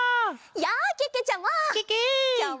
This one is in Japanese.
やあけけちゃま！